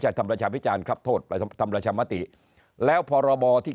ทำประชาพิจารณ์ครับโทษไปทำประชามติแล้วพรบที่